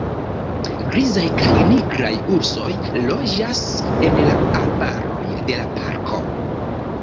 Grizaj kaj nigraj ursoj loĝas en la arbaroj de la parko.